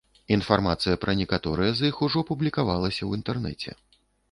Інфармацыя пра некаторыя з іх ужо публікавалася ў інтэрнэце.